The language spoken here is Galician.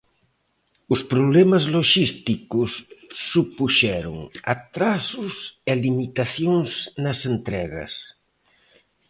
Os problemas loxísticos supuxeron atrasos e limitacións nas entregas.